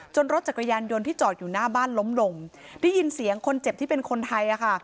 รถจักรยานยนต์ที่จอดอยู่หน้าบ้านล้มลงได้ยินเสียงคนเจ็บที่เป็นคนไทยอ่ะค่ะ